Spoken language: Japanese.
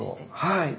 はい。